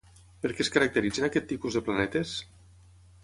Per què es caracteritzen aquest tipus de planetes?